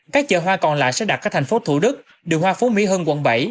các chợ hoa còn lại sẽ đặt các thành phố thủ đức điều hoa phú mỹ hương quận bảy